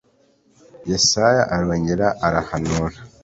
yesaya arongera arahanura